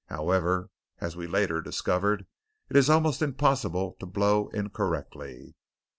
However, as we later discovered, it is almost impossible to blow incorrectly.